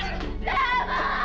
lepas di bawah ibu